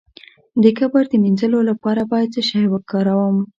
د کبر د مینځلو لپاره باید څه شی وکاروم؟